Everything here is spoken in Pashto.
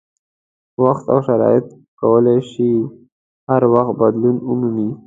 وخت او شرایط کولای شي هر وخت بدلون ومومي.